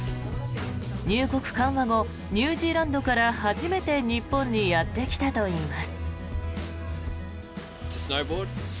入国緩和後ニュージーランドから初めて日本にやってきたといいます。